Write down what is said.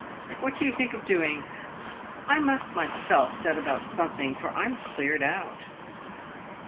What do you think of doing ? I must myself set about something, for I'm cleared out."